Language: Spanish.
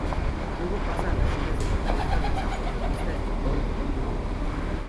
Luego pasa a las filas de la orquesta del saxofonista español Tony Novo.